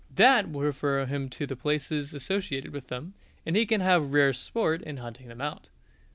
That will refer him to the places associated with them, and he can have rare sport in hunting them out.